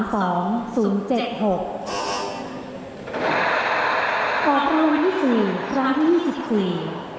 ตอนที่๒๔ร้านที่๒๒